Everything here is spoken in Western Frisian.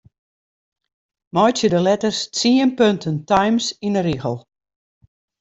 Meitsje de letters tsien punten Times yn 'e rigel.